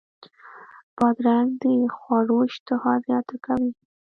بادرنګ د خوړو اشتها زیاته کوي.